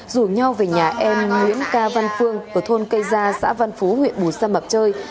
rủ nhau về nhà em nguyễn ca văn phương ở thôn cây gia xã văn phú huyện bù gia mập chơi